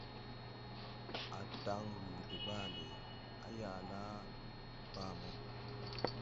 A dan wuu dè ɓaale, à yaʼla baa mo.